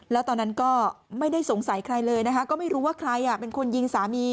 แล้วตอนนั้นก็ไม่ได้สงสัยใครเลยนะคะก็ไม่รู้ว่าใครเป็นคนยิงสามี